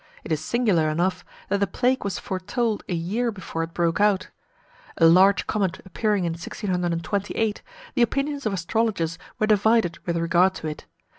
It is singular enough that the plague was foretold a year before it broke out. A large comet appearing in 1628, the opinions of astrologers were divided with regard to it.